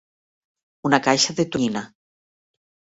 Una caixa de tonyina.